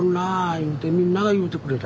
言うてみんなが言うてくれた。